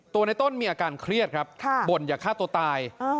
ในต้นมีอาการเครียดครับบ่นอย่าฆ่าตัวตาย